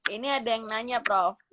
ini ada yang nanya prof